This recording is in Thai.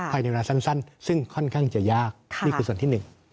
ภายในเวลาสั้นซึ่งค่อนข้างจะยากนี่คือส่วนที่หนึ่ง